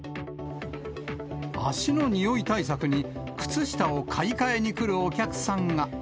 足のにおい対策に、靴下を買い替えに来るお客さんが。